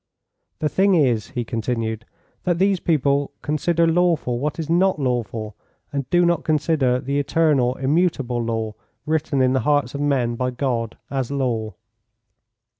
The thing is," he continued, "that these people consider lawful what is not lawful, and do not consider the eternal, immutable law, written in the hearts of men by God, as law.